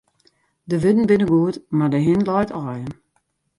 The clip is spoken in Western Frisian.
De wurden binne goed, mar de hin leit aaien.